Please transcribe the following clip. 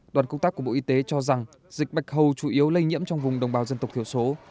đoàn công tác của bộ y tế cho rằng dịch bạch hầu chủ yếu lây nhiễm trong vùng đồng bào dân tộc thiểu số